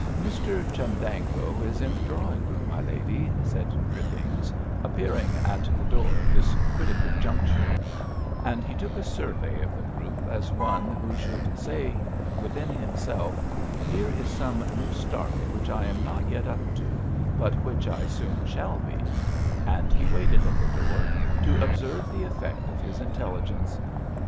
"Mr Chundango is in the drawing room, my lady," said Drippings, appearing at the door at this critical juncture; and he took a survey of the group as one who should say within himself, "Here is some new start which I am not yet up to, but which I soon shall be," and he waited at the door to observe the effect of his intelligence.